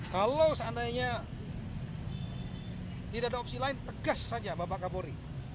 kalau seandainya tidak ada opsi lain tegas saja bapak kapolri